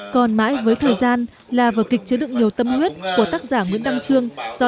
còn mãi với thời gian là vở kịch chứa được nhiều tâm huyết của tác giả nguyễn đăng trương do